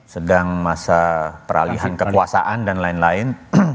sedang masa peralihan kekuasaan dan lain lain